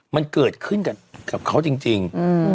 มันเกิดขึ้นกับเขาจริง